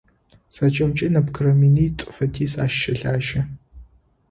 Зэкӏэмкӏи нэбгырэ минитӏу фэдиз ащ щэлажьэ.